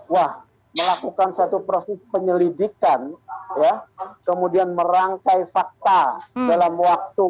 wah melakukan satu proses penyelidikan ya kemudian merangkai fakta dalam waktu